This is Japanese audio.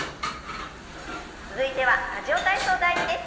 続いては「ラジオ体操第２」です。